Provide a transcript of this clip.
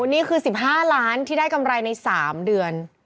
นี่คือ๑๕ล้านที่ได้กำไรใน๓เดือน